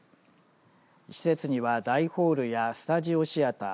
施設には大ホールやスタジオシアター